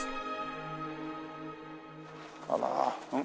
あら。